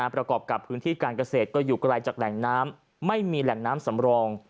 ประกอบกับพื้นที่การเกษตรก็อยู่ไกลจากแหล่งน้ำไม่มีแหล่งน้ำสำรอง